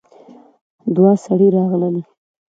دوه سړي راغلل.